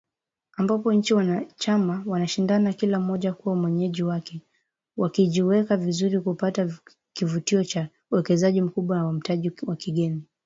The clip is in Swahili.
Ambapo nchi wanachama wanashindana kila mmoja kuwa mwenyeji wake, wakijiweka vizuri kupata kivutio cha uwekezaji mkubwa wa mtaji wa kigeni